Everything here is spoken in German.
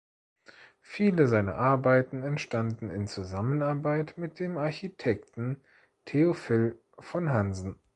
Viele seiner Arbeiten entstanden in Zusammenarbeit mit dem Architekten Theophil von Hansen.